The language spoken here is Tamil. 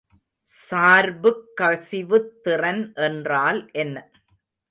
சார்புக் கசிவுத் திறன் என்றால் என்ன?